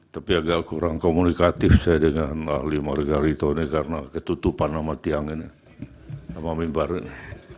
tapi agak kurang komunikatif saya dengan lima warga rito ini karena ketutupan nama tiang ini nama mimbar ini